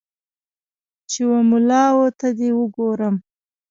چې و مـــلا و کوناټیــــو ته دې ګورم